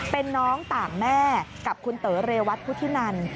เป็นน้องต่างแม่กับคุณเต๋อเรวัตพุทธินัน